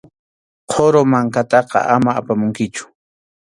Qhuru mankataqa ama apamunkichu.